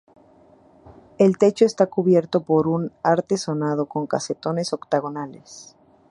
El techo está cubierto por un artesonado con casetones octogonales.